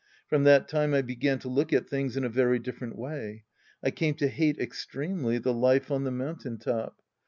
From that time I began to look at things in a very different way. I came to hate extremely the life on the mountain top.